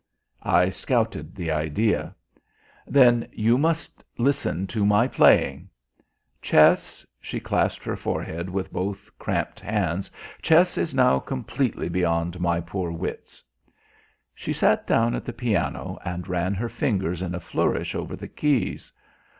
I scouted the idea. "Then you must listen to my playing. Chess" she clasped her forehead with both cramped hands "chess is now completely beyond my poor wits." She sat down at the piano and ran her fingers in a flourish over the keys.